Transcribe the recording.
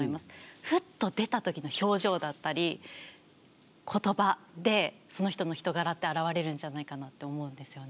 ふっと出たときの表情だったり言葉でその人の人柄って表れるんじゃないかなって思うんですよね。